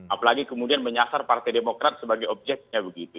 apalagi kemudian menyasar partai demokrat sebagai objeknya begitu